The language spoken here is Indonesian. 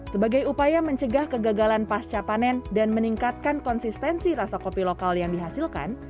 sebagai upaya mencegah kegagalan pasca panen dan meningkatkan konsistensi rasa kopi lokal yang dihasilkan